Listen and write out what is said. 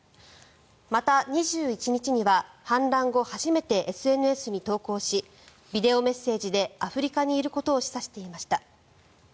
また、２１日には反乱後初めてＳＮＳに投稿しビデオメッセージでアフリカにいることを示唆していました。